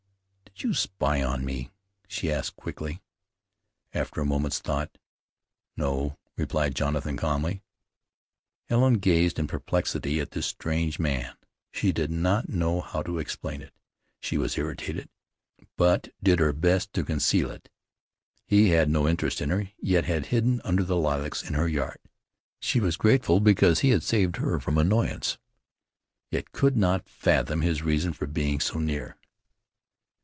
"Did you spy on me?" she asked quickly, after a moment's thought. "No," replied Jonathan calmly. Helen gazed in perplexity at this strange man. She did not know how to explain it; she was irritated, but did her best to conceal it. He had no interest in her, yet had hidden under the lilacs in her yard. She was grateful because he had saved her from annoyance, yet could not fathom his reason for being so near.